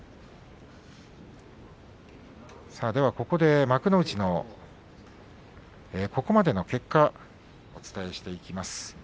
ここで幕内のここまでの結果お伝えしていきます。